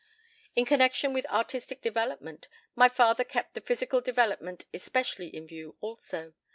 In connection with artistic development, my father kept the physical development especially in view also.